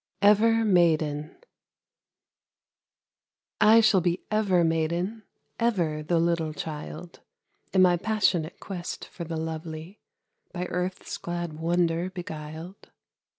EVER MAIDEN I shall be ever maiden, Ever the little child, In my passionate quest for the lovely, By earth's glad wonder beguiled.